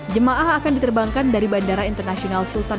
jemaah akan diterbangkan dari bandara internasional sultan